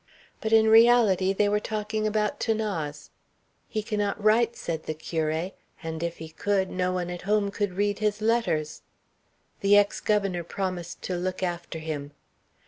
But in reality they were talking about 'Thanase. "He cannot write," said the curé; "and if he could, no one at home could read his letters." The ex governor promised to look after him.